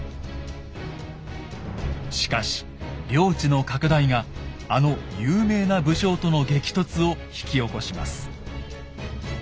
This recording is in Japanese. しかし領地の拡大があの有名な武将との激突を引き起こします。